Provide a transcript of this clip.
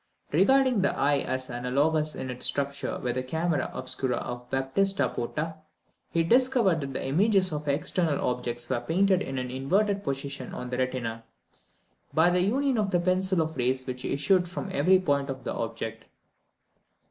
Regarding the eye as analogous in its structure with the camera obscura of Baptista Porta, he discovered that the images of external objects were painted in an inverted position on the retina, by the union of the pencils of rays which issued from every point of the object.